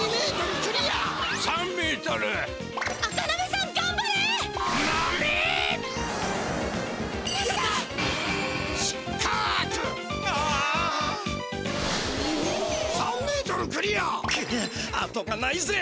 くっあとがないぜ！